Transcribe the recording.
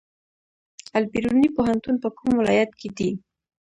البیروني پوهنتون په کوم ولایت کې دی؟